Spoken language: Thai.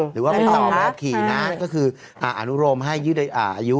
หรือว่าไปต่อใบขับขี่นะก็คืออนุโรมให้ยืดอายุ